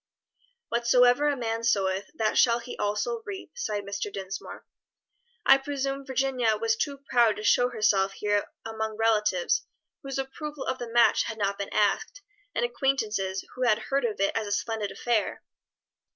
"'Whatsoever a man soweth, that shall he also reap,'" sighed Mr. Dinsmore. "I presume Virginia was too proud to show herself here among relatives whose approval of the match had not been asked, and acquaintances who had heard of it as a splendid affair?"